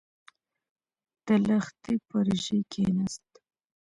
د لښتي پر ژۍکېناست.